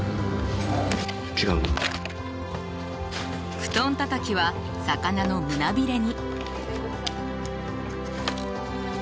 布団たたきは魚の胸びれに。